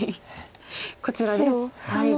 こちらです。